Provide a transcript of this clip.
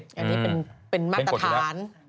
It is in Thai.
อันนี้เป็นมาตรฐาน